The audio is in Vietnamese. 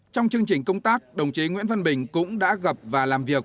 trong chương trình công tác đồng chí nguyễn văn bình cũng đã gặp và làm việc